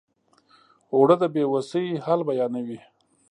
اوړه د بې وسۍ حال بیانوي